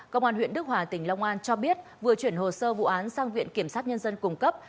công an huyện đức hòa tỉnh long an cho biết vừa chuyển hồ sơ vụ án sang viện kiểm sát nhân dân cung cấp